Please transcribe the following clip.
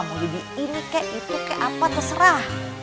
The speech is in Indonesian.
oh jadi ini kayak itu kayak apa terserah